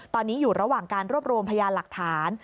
ตอนนี้อยู่ระหว่างการรวบรวมพยานหลักฐาน